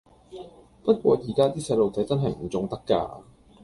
不過而家啲細路仔真係唔縱得㗎